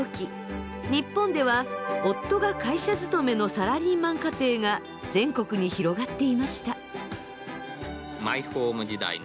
日本では夫が会社勤めのサラリーマン家庭が全国に広がっていました。